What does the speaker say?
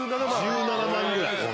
１７万ぐらい。